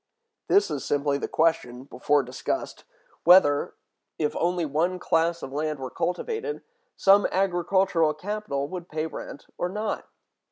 This is simply the question, before discussed, whether, if only one class of land were cultivated, some agricultural capital would pay rent or not.